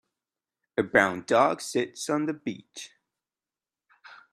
A brown dog sits on the beach.